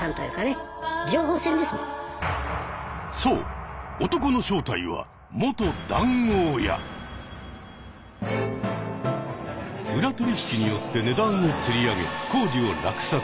そう男の正体は裏取引によって値段をつり上げ工事を落札。